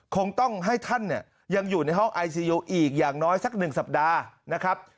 คงต้องให้ท่านเนี่ยยังอยู่ในห้องไอซียูอีกอย่างน้อยสัก๑สัปดาห์นะครับ